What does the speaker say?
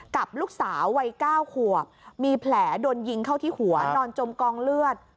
กับลูกสาววัย๙ขวบมีแผลโดนยิงเข้าที่หัวนอนจมกองเลือด